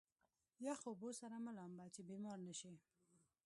يخو اوبو سره مه لامبه چې بيمار نه شې.